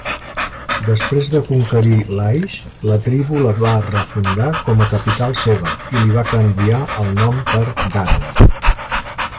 Després de conquerir Laish, la tribu la va refundar com a capital seva i li va canviar el nom per Dan.